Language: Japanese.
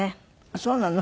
そうなの？